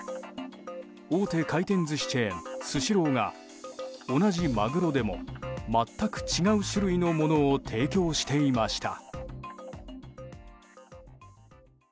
大手回転寿司チェーンスシローが同じマグロでも全く違う種類のものを提供していました。